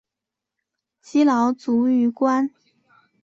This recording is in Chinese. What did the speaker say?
积劳卒于官。